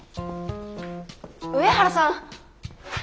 上原さん！